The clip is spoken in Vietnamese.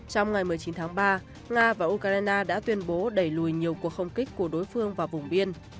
trong ngày một mươi chín tháng ba nga và ukraine đã tuyên bố đẩy lùi nhiều cuộc không kích của đối phương vào vùng biên